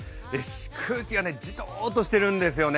空気がじとーっとしてるんですよね。